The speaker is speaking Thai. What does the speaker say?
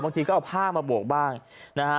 บางทีก็เอาผ้ามาโบกบ้างนะฮะ